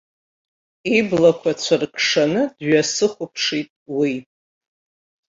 Иблақәа цәыркшаны дҩасыхәаԥшит уи.